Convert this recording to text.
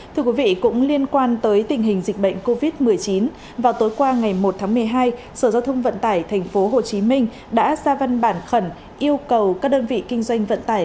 thưa quý vị cũng liên quan tới tình hình dịch bệnh covid một mươi chín vào tối qua ngày một tháng một mươi hai sở giao thông vận tải tp hcm đã ra văn bản khẩn yêu cầu các đơn vị kinh doanh vận tải